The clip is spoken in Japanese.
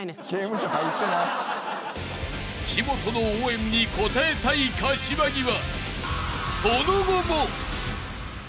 ［木本の応援に応えたい柏木は］